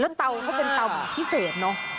แล้วเตาก็เป็นเตาพี่พิเศษเนอะ